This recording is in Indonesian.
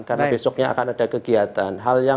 karena besoknya akan ada kegiatan